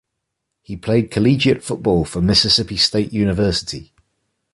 He played college football for Mississippi State University.